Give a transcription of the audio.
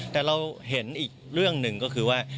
แต่เราเห็นอีกเรื่องหนึ่งก็คือว่า